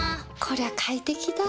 「こりゃ快適だ」